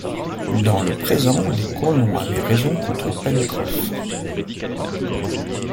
Dans le présent, les colons avaient raison contre Pencroff.